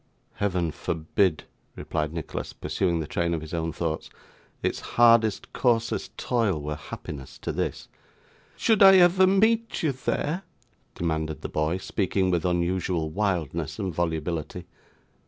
'Heaven forbid,' replied Nicholas, pursuing the train of his own thoughts; 'its hardest, coarsest toil, were happiness to this.' 'Should I ever meet you there?' demanded the boy, speaking with unusual wildness and volubility.